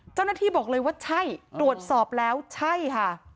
เจ้าหน้าที่บอกเลยว่าใช่ตรวจสอบแล้วใช่ค่ะ